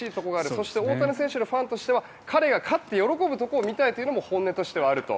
そして大谷選手のファンとしては彼が勝って喜ぶところを見たいというのが本音としてはあると。